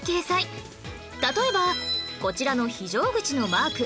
例えばこちらの非常口のマーク